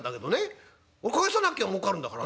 返さなきゃもうかるんだからな。